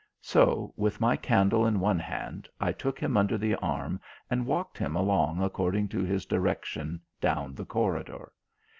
So, with my candle in one hand, I took him under the arm and walked him along according to his direction down the corridor.